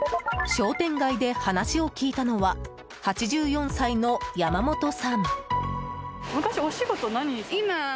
商店街で話を聞いたのは８４歳の山本さん。